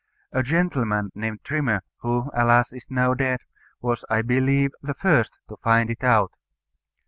A gentleman named Trimmer, who, alas! is now dead, was, I believe, the first to find it out.